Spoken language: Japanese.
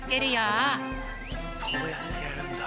そうやってやるんだ。